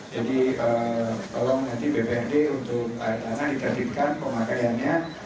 jadi tolong nanti bprd untuk air tanah dikreditkan pemakaiannya